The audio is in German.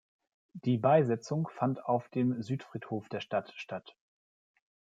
Die Beisetzung fand auf dem Südfriedhof der Stadt statt.